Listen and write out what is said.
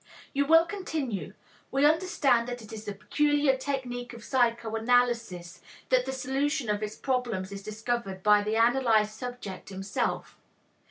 You will continue, "We understand that it is the peculiar technique of psychoanalysis that the solution of its problems is discovered by the analyzed subject himself.